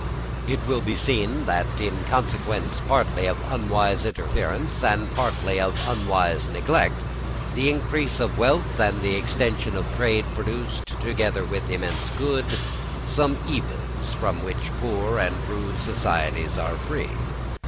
It will be seen that, in consequence partly of unwise interference, and partly of unwise neglect, the increase of wealth and the extension of trade produced, together with immense good, some evils from which poor and rude societies are free.